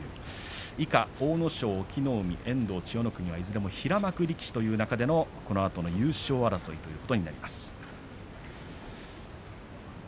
以下、阿武咲、隠岐の海、遠藤千代の国はいずれも平幕力士という中でのこのあとの優勝争いということになります。